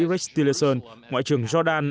rich tillerson ngoại trưởng jordan